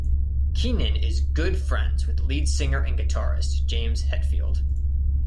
Keenan is good friends with lead singer and guitarist James Hetfield.